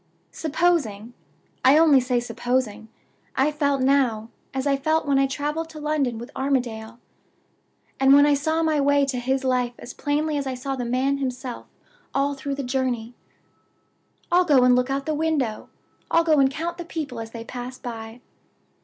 "Supposing I only say supposing I felt now, as I felt when I traveled to London with Armadale; and when I saw my way to his life as plainly as I saw the man himself all through the journey...? "I'll go and look out of the window. I'll go and count the people as they pass by.